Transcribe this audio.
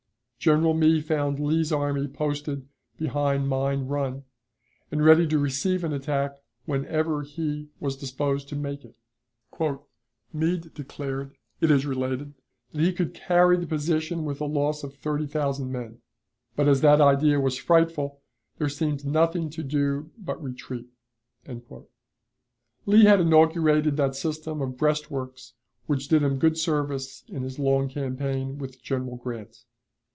General Meade found Lee's army posted behind Mine Run, and ready to receive an attack whenever he was disposed to make it. "Meade declared, it is related, that he could carry the position with a loss of thirty thousand men; but, as that idea was frightful, there seemed nothing to do but retreat." Lee had inaugurated that system of breastworks which did him good service in his long campaign with General Grant.